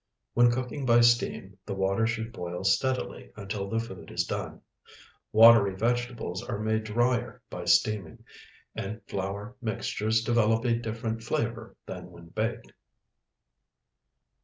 When cooking by steam, the water should boil steadily until the food is done. Watery vegetables are made drier by steaming, and flour mixtures develop a different flavor than when baked.